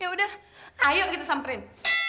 yaudah ayo kita samperin